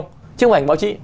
chứ không phải ảnh báo chí